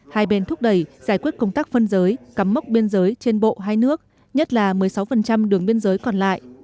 hai bên thúc đẩy giải quyết công tác phân giới cắm mốc biên giới trên bộ hai nước nhất là một mươi sáu đường biên giới còn lại